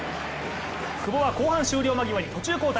久保は後半終了間際に途中交代。